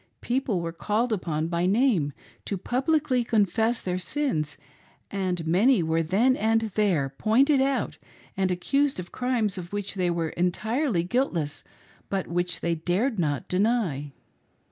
People were called upon by name to publicly confess their sins, and many were then and there" pointed out and accused of crimes of which they were entirely guiltless but which they dared not deny.